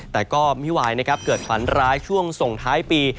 แต่ก็ไม่วายนะครับเกิดฝันร้ายช่วงส่งท้ายปี